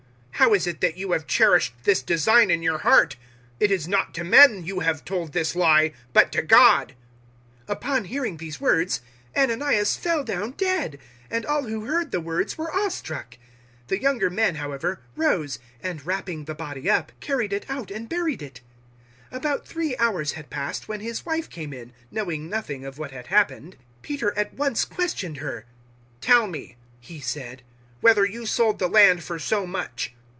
How is it that you have cherished this design in your heart? It is not to men you have told this lie, but to God." 005:005 Upon hearing these words Ananias fell down dead, and all who heard the words were awe struck. 005:006 The younger men, however, rose, and wrapping the body up, carried it out and buried it. 005:007 About three hours had passed, when his wife came in, knowing nothing of what had happened. 005:008 Peter at once questioned her. "Tell me," he said, "whether you sold the land for so much."